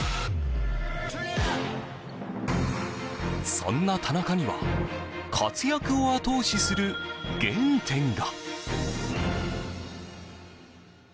そんな田中には活躍を後押しする原点が。